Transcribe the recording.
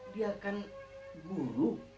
dia kan guru